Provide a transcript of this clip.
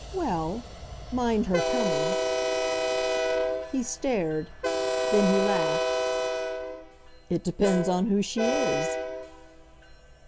"Well, mind her coming." He stared then he laughed. "It depends on who she is."